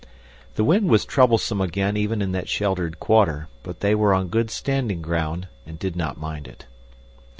The wind was troublesome even in that sheltered quarter, but they were on good standing ground and did not mind it.